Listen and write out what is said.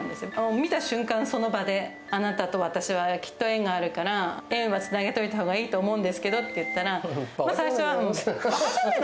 見た瞬間、その場で、あなたと私はきっと縁があるから、縁はつなげたほうがいいと思うんですけどって言ったら、最初はもばかじゃないの！